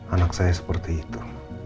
anak saya seperti itu